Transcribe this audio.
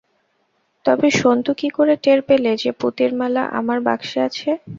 তবে সন্তু কি করে টের পেলে যে পুতির মালা আমার বাক্সে আছে?